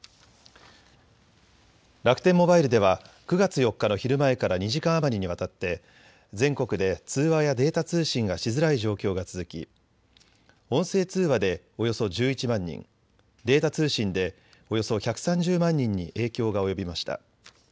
楽天モバイルでは９月４日の昼前から２時間余りにわたって全国で通話やデータ通信がしづらい状況が続き音声通話でおよそ１１万人、データ通信でおよそ１３０万人に影響が及びました。